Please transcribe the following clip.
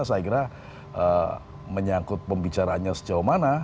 saya kira menyangkut pembicaraannya sejauh mana